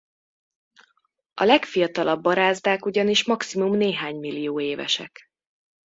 A legfiatalabb barázdák ugyanis maximum néhány millió évesek.